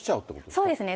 そうですね。